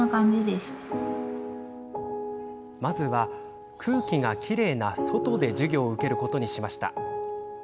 まずは、空気がきれいな外で授業を受けることにしました。